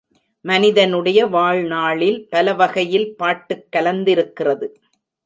மனிதனுடைய வாழ்நாளில் பல வகையில் பாட்டுக் கலந்திருக்கிறது.